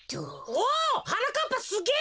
おはなかっぱすげえ！